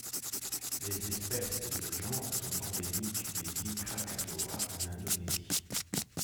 Les espèces de ce genre sont endémiques des îles Krakatoa en Indonésie.